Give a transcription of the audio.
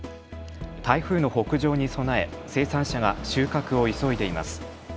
台風の北上に備え生産者が収穫を急いでいます。